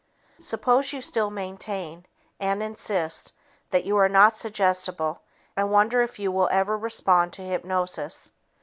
Suppose you still maintain and insist that you are not suggestible and wonder if you will ever respond to hypnosis.